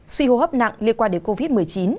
suy hô hấp nặng liên quan đến covid một mươi chín